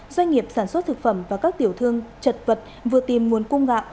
doanh nghiệp sản xuất thực phẩm và các tiểu thương chật vật vừa tìm nguồn cung gạo